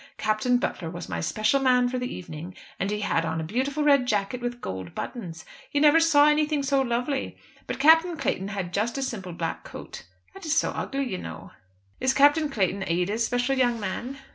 Captain Butler was my special man for the evening, and he had on a beautiful red jacket with gold buttons. You never saw anything so lovely. But Captain Clayton had just a simple black coat. That is so ugly, you know." "Is Captain Clayton Ada's special young man?"